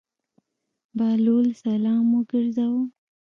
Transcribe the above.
بهلول سلام وګرځاوه.